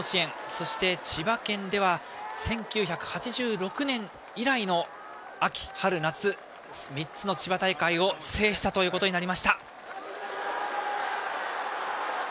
そして、千葉県では１９８６年以来の秋春夏、３つの千葉大会を制したことになりました。